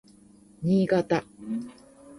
Niigata